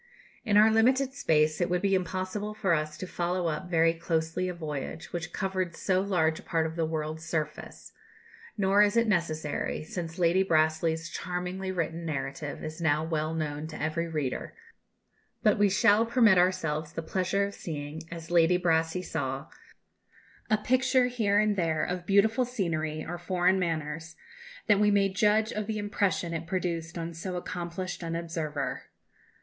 In our limited space it would be impossible for us to follow up very closely a voyage which covered so large a part of the world's surface; nor is it necessary, since Lady Brassey's charmingly written narrative is now well known to every reader; but we shall permit ourselves the pleasure of seeing, as Lady Brassey saw, a picture here and there of beautiful scenery or foreign manners, that we may judge of the impression it produced on so accomplished an observer.